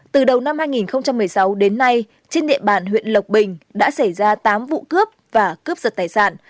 từ đầu năm hai nghìn một mươi sáu đến nay trên địa bàn huyện lộc bình đã xảy ra tám vụ cướp và cướp giật tài sản